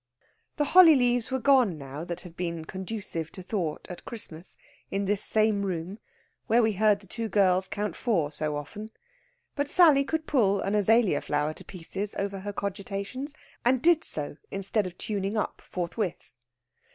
The holly leaves were gone now that had been conducive to thought at Christmas in this same room when we heard the two girls count four so often, but Sally could pull an azalea flower to pieces over her cogitations, and did so, instead of tuning up forthwith.